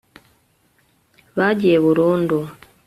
bagiye burundu